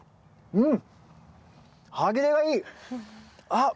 うん！